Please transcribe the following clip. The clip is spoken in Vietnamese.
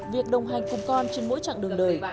việc đồng hành cùng con trên mỗi chặng đường đời